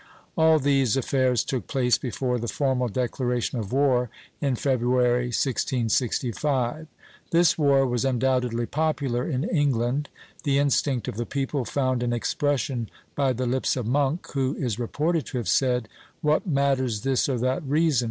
All these affairs took place before the formal declaration of war in February, 1665. This war was undoubtedly popular in England; the instinct of the people found an expression by the lips of Monk, who is reported to have said, "What matters this or that reason?